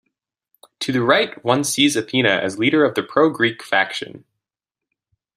To the right one sees Athena as leader of the pro-Greek faction.